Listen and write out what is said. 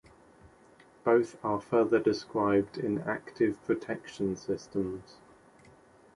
Both are further described in active protection systems.